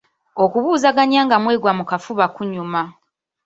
Okubuuzaganya nga mwegwa mu kafuba kunyuma.